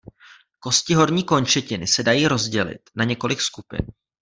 Kosti horní končetiny se dají rozdělit na několik skupin.